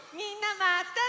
またね！